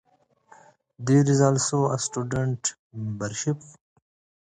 There is also a student membership.